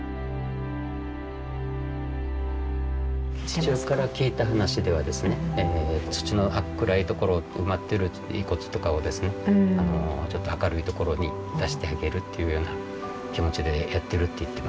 父親から聞いた話ではですね土の暗いところに埋まってる遺骨とかをですねちょっと明るいところに出してあげるというような気持ちでやってるって言ってました。